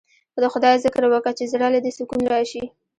د خداى ذکر وکه چې زړه له دې سکون رايشي.